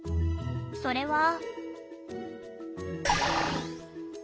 それは。